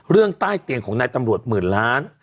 เรื่องใต้เตียงของนายตำรวจหมื่นล้าน